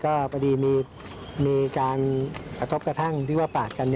พอดีมีการทบกระทั่งปากกัน